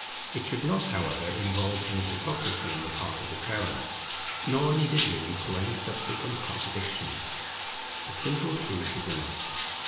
It should not, however, involve any hypocrisy on the part of the parents, nor need it lead to any subsequent contradiction. The simple truth is enough.